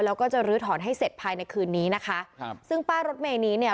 แล้วก็จะลื้อถอนให้เสร็จภายในคืนนี้นะคะครับซึ่งป้ายรถเมย์นี้เนี่ย